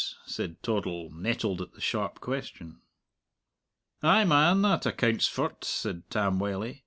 said Toddle, nettled at the sharp question. "Ay, man! That accounts for't," said Tam Wylie.